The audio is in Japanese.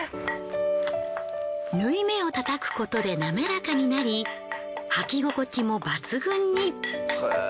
縫い目を叩くことでなめらかになり履き心地も抜群に。